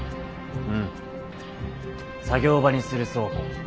うん作業場にする倉庫。